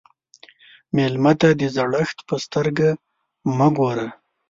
مېلمه ته د زړښت په سترګه مه ګوره.